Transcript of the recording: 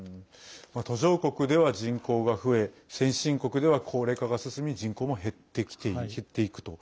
途上国では人口が増え先進国では高齢化が進み人口も減っていくと。